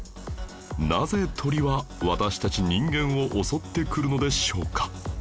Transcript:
なぜ鳥は私たち人間を襲ってくるのでしょうか？